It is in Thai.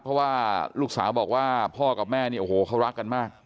เพราะว่าลูกสาวบอกว่าพ่อกับแม่เนี่ยโอ้โหเขารักกันมาก